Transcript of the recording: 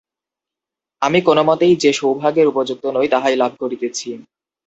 আমি কোনোমতেই যে সৌভাগ্যের উপযুক্ত নই তাহাই লাভ করিতেছি।